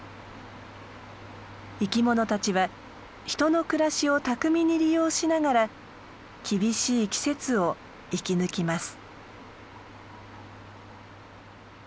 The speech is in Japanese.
生きものたちは人の暮らしを巧みに利用しながら厳しい季節を生き抜きます。